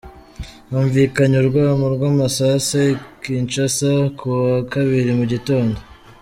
Humvikanye urwamo rw'amasase i Kinshasa ku wa kabiri mu gitondo.